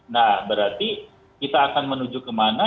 nah berarti kita akan menuju kemana